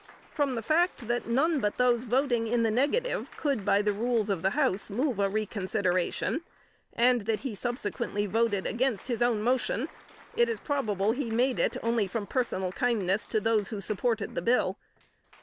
From the fact that none but those voting in the negative could by the rules of the House move a reconsideration, and that he subsequently voted against his own motion, it is probable he made it from personal kindness to those who supported the bill.